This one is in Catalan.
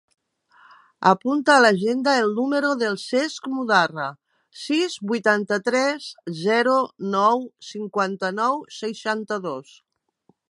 Apunta a l'agenda el número del Cesc Mudarra: sis, vuitanta-tres, zero, nou, cinquanta-nou, seixanta-dos.